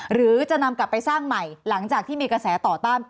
หรือจะนำกลับไปสร้างใหม่หลังจากที่มีกระแสต่อต้าน